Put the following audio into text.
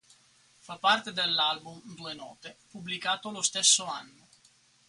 Fa parte dell'album "Due note", pubblicato lo stesso anno.